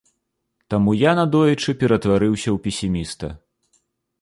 Таму я надоечы ператварыўся ў песіміста.